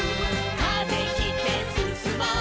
「風切ってすすもう」